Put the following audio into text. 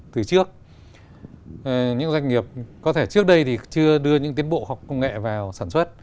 từ trước những doanh nghiệp có thể trước đây thì chưa đưa những tiến bộ khoa học công nghệ vào sản xuất